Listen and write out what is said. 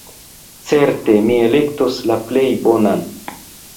Certe mi elektos la plej bonan.